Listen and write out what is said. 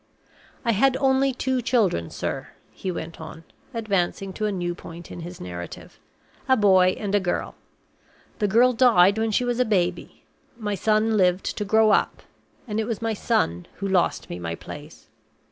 "I had only two children, sir," he went on, advancing to a new point in his narrative, "a boy and a girl. The girl died when she was a baby. My son lived to grow up; and it was my son who lost me my place.